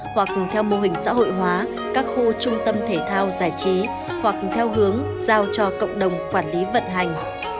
hoặc theo mô hình xã hội hóa các khu trung tâm thể thao giải trí hoặc theo hướng giao cho cộng đồng quản lý vận hành